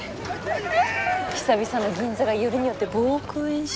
久々の銀座がよりによって防空演習。